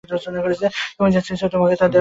তুমি যা চেয়েছ তোমাকে তা দেয়া হল।